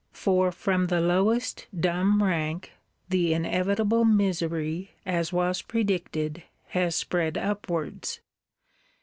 For from the lowest dumb rank, the inevitable misery, as was predicted, has spread upwards.